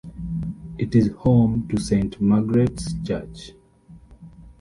It is home to Saint Margaret's Church.